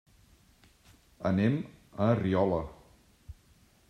Anem a Riola.